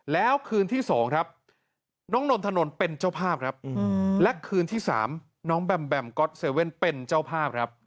แล้วคืนที่สองน้องนนทนเป็นเจ้าภาพและคืนที่สามน้องแบมแบมก็อตเซเว่นเป็นเจ้าภาพ